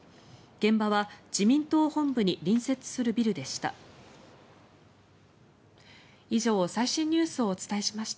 現場は自民党本部に隣接するビルでした。